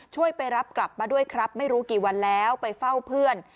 ไปรับกลับมาด้วยครับไม่รู้กี่วันแล้วไปเฝ้าเพื่อน